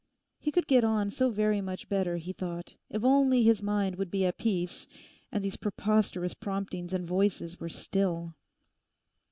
He could get on so very much better, he thought, if only his mind would be at peace and these preposterous promptings and voices were still.